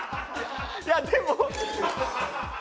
いやでも。